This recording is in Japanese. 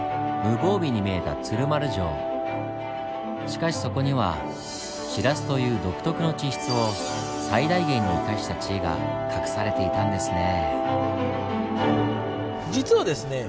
しかしそこにはシラスという独特の地質を最大限に生かした知恵が隠されていたんですねぇ。